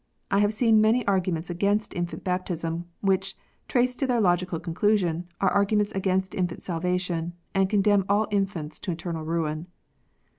I have seen many arguments against infant baptism, which, traced to their logical conclusion, are arguments against infant salvation, and condemn all infants to eternal ruin